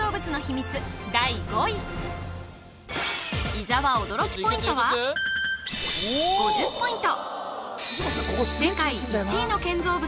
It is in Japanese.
伊沢驚きポイントは５０ポイント